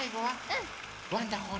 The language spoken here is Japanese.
うん！